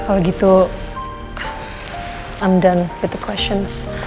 kalau gitu aku sudah selesai dengan pertanyaan